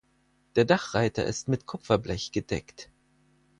Der Dachreiter ist mit Kupferblech gedeckt.